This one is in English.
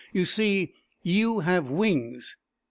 You see, you have wings."